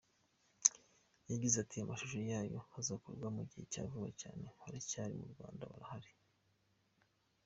Yagize ati "Amashusho yayo azakorwa mu gihe cya vuba cyane, baracyari mu Rwanda, barahari.